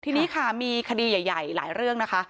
ทีนี้ค่ะมีคดีใหญ่หลายเรื่องนะคะ